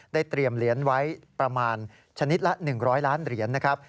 ได้เตรียมเหรียญไว้ประมาณชนิดละหนึ่งร้อยล้านเหรียญนะครับ